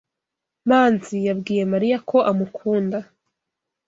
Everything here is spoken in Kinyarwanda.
Manzi yabwiye Mariya ko amukunda.